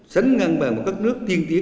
sẵn ngăn bằng một các nước tiên tiến